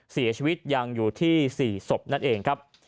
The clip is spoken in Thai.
เสียชีวิตยังอยู่ที่๔ศพนั่นเองครับ